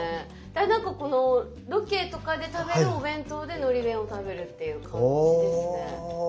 だからなんかこのロケとかで食べるお弁当でのり弁を食べるっていう感じですね。